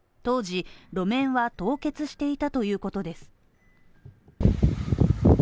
当時、路面は凍結していたということです。